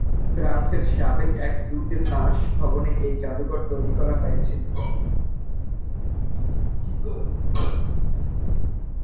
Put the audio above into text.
ফ্রান্সের সাবেক এক দূতের বাস ভবনে এই জাদুঘর তৈরি করা হয়েছিলো।